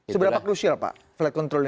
seberapa krusial pak flight controlnya